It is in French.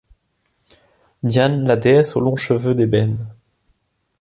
Diane, la déesse aux longs cheveux d'ébène